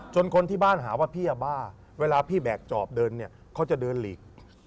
จนคนที่บ้านหาว่าพี่อย่าบ้าเวลาพี่แบ่งน่อจอบเขาจะเดินหลีก